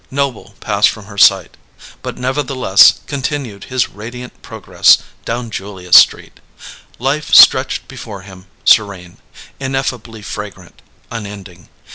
Noble passed from her sight, but nevertheless continued his radiant progress down Julia's Street. Life stretched before him, serene, ineffably fragrant, unending.